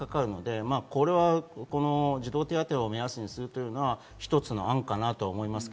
児童手当を目安にするのは一つの案かなと思います。